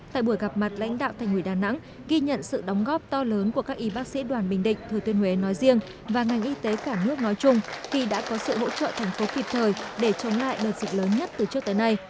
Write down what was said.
tại buổi gặp mặt lãnh đạo thành ủy đà nẵng ghi nhận sự đóng góp to lớn của các y bác sĩ đoàn bình định thừa tuyên huế nói riêng và ngành y tế cả nước nói chung khi đã có sự hỗ trợ thành phố kịp thời để chống lại đợt dịch lớn nhất từ trước tới nay